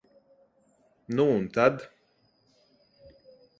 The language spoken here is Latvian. Nu un tad?